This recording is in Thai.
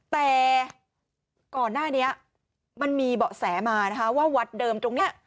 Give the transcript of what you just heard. แต่ก่อนหน้านี้มันมีเบาะแสมานะคะว่าวัดเดิมตรงนี้